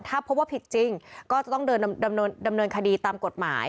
ถ้าพบว่าผิดจริงก็จะต้องเดินดำเนินคดีตามกฎหมาย